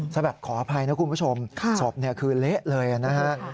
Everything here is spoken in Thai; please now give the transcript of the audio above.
สำหรับขออภัยนะคุณผู้ชมศพคือเละเลยนะฮะ